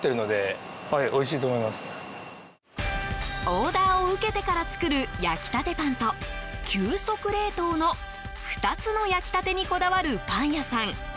オーダーを受けてから作る焼きたてパンと急速冷凍の２つの焼きたてにこだわるパン屋さん。